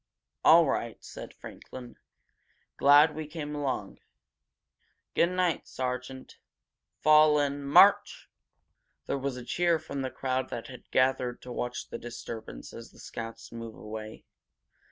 "All right," said Franklin. "Glad we came along. Good night, sergeant. Fall in! March!" There was a cheer from the crowd that had gathered to watch the disturbance as the scouts move away.